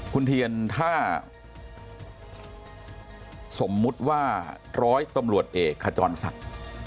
คุณเทียนถ้าสมมุติว่าร้อยตำรวจเอกขจรศักดิ์